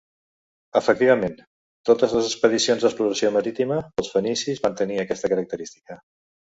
Efectivament, totes les expedicions d'exploració marítima pels fenicis van tenir aquesta característica.